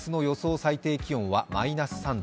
最低気温はマイナス３度。